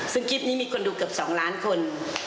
ซึ่งคลิปนี้มีคนดูเกือบ๒ล้านคน